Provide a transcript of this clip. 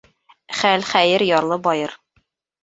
Хәл хәйер, ярлы байыр.